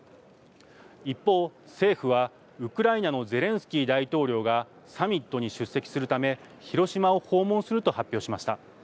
一方、政府はウクライナのゼレンスキー大統領がサミットに出席するため広島を訪問すると発表しました。